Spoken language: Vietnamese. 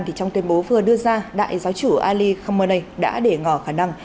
trong tuyên bố vừa đưa ra đại giáo chủ ali khammernei đã để ngỏ khả năng